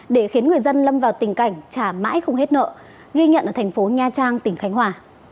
để khiến người dân lâm vào tình cảnh trả mãi không hết nợ ghi nhận ở thành phố nha trang tỉnh khánh hòa